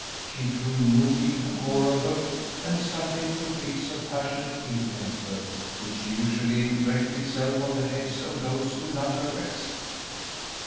She grew moody, moreover, and subject to fits of passionate ill temper; which usually wreaked itself on the heads of those who loved her best.